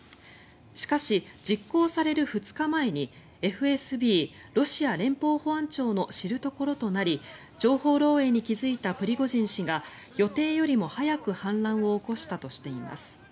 しかし、実行される２日前にＦＳＢ・ロシア連邦保安庁の知るところとなり情報漏えいに気付いたプリゴジン氏が予定よりも早く反乱を起こしたとしています。